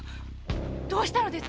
どうしたのです？